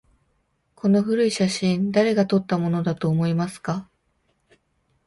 この古い写真、誰が撮ったものだと思いますか？